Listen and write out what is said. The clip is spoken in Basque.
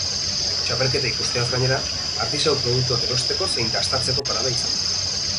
Txapelketa ikusteaz gainera, artisau-produktuak erosteko zein dastatzeko parada izango da.